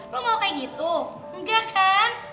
lo mau kayak gitu enggak kan